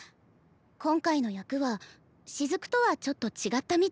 今回の役はしずくとはちょっと違ったみたいだから。